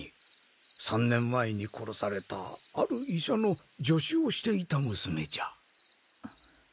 ３年前に殺されたある医者の助手をしていた娘じゃ。